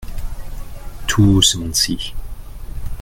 Tout ce monde-ci.